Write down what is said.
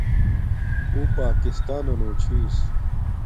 اُݸ پݳکِستݳنَنݸ چھِݵس.